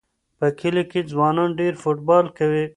په کلي کې ځوانان ډېر فوټبال کوي.